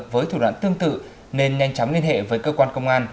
với thủ đoạn tương tự nên nhanh chóng liên hệ với cơ quan công an